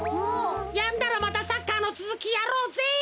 やんだらまたサッカーのつづきやろうぜ。